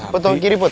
put tombol kiri put